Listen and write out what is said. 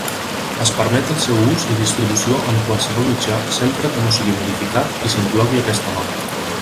Es permet el seu ús i distribució en qualsevol mitjà sempre que no sigui modificat i s'inclogui aquesta nota.